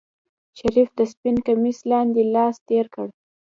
شريف د سپين کميس لاندې لاس تېر کړ.